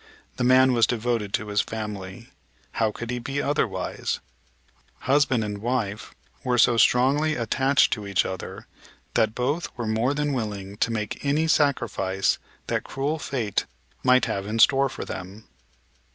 The man was devoted to his family. How could he be otherwise? Husband and wife were so strongly attached to each other that both were more than willing to make any sacrifice that cruel fate might have in store for them.